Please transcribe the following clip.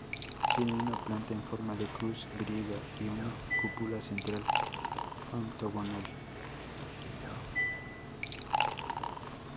Tiene una planta en forma de cruz griega y una cúpula central octogonal.